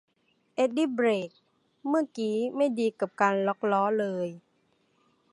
เอ็ดดี้เบรกเมื่อกี๊ไม่ดีกับการล็อคล้อเลย